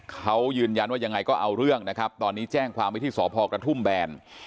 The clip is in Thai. เขายืนยันว่ายังไงก็เอาเรื่องนะครับตอนนี้แจ้งความไว้ที่สพกระทุ่มแบน